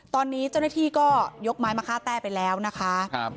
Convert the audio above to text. ตอนนี้เจ้าหน้าที่ก็ยกไม้มะค่าแต้ไปแล้วนะคะ